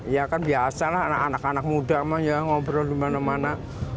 ya kan biasa lah anak anak muda emang ya ngobrol dimana mana